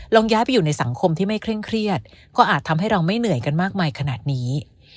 ย้ายไปอยู่ในสังคมที่ไม่เคร่งเครียดก็อาจทำให้เราไม่เหนื่อยกันมากมายขนาดนี้